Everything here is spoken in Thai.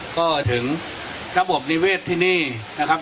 ก็ถึงระบบนิเวศที่นี่นะครับ